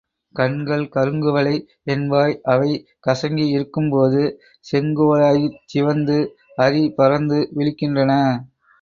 கண்கள் கருங்குவளை என்பாய் அவை கசங்கி இருக்கும்போது செங்குவளையாகிச் சிவந்து அரி பரந்து விழிக்கின்றன.